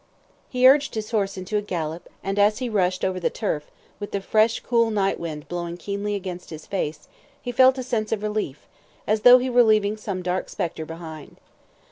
He urged his horse into a gallop, and as he rushed over the turf, with the fresh, cool night wind blowing keenly against his face, he felt a sense of relief, as though he were leaving some dark spectre behind.